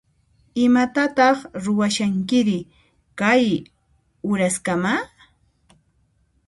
Imatataq ruwashankiri kay uraskama?